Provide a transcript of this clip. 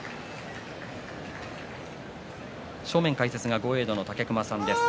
正面解説は豪栄道の武隈さんです。